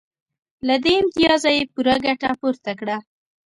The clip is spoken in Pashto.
له دې امتیازه یې پوره ګټه پورته کړه